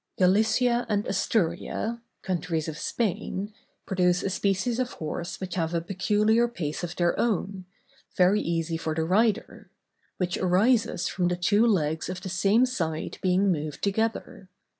Gallicia and Asturia, countries of Spain, produce a species of horse which have a peculiar pace of their own, very easy for the rider, which arises from the two legs of the same side being moved together.